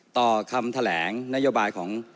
ต่อคำแถลงนโยบายของ